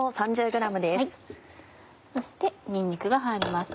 そしてにんにくが入ります。